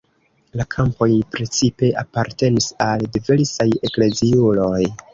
La kampoj precipe apartenis al diversaj ekleziuloj.